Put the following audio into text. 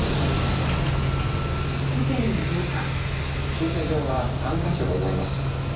駐車場は３カ所ございます。